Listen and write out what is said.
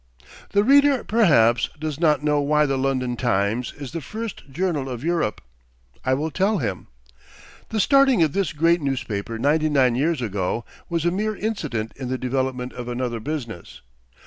The reader, perhaps, does not know why the London "Times" is the first journal of Europe. I will tell him. The starting of this great newspaper ninety nine years ago was a mere incident in the development of another business.